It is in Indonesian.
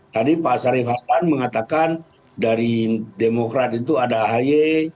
tadi pak sarif hasan mengatakan dari demokrat itu ada ahy